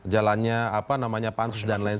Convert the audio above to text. jalannya apa namanya pansus dan lain